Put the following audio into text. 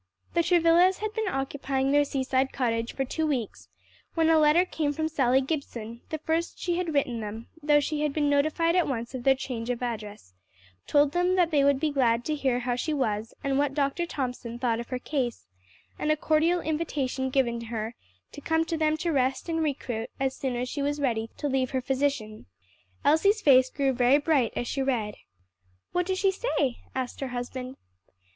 The Travillas had been occupying their seaside cottage for two weeks, when a letter came from Sally Gibson; the first she had written them, though she had been notified at once of their change of address, told that they would be glad to hear how she was and what Dr. Thomson thought of her case, and a cordial invitation given her to come to them to rest and recruit as soon as she was ready to leave her physician. Elsie's face grew very bright as she read. "What does she say?" asked her husband.